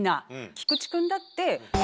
菊池君だって。